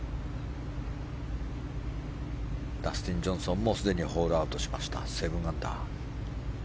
ダスティン・ジョンソンもすでにホールアウトしました７アンダー。